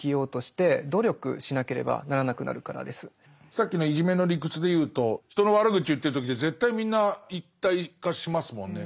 さっきのいじめの理屈で言うと人の悪口言ってる時って絶対みんな一体化しますもんね。